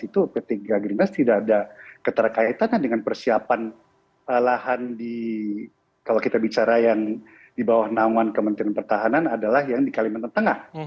itu pta greenness tidak ada keterkaitannya dengan persiapan lahan di kalau kita bicara yang di bawah namun kementrian pertahanan adalah yang di kalimantan tengah